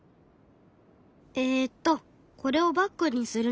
えっとこれをバッグにするには。